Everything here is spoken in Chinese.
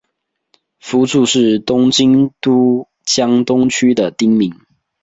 福住是东京都江东区的町名。